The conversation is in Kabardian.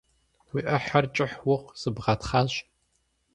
Уи Ӏыхьэр кӀыхь ухъу, сыбгъэтхъащ!